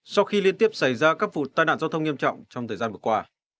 sau khi liên tiếp xảy ra các vụ tai nạn giao thông nghiêm trọng trong thời gian vừa qua